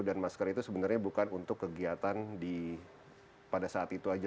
dan masker itu sebenarnya bukan untuk kegiatan pada saat itu saja